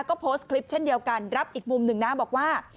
ก็โพสต์คลิปเช่นเดียวกันรับอีกมุมหนึ่งนะบอกว่า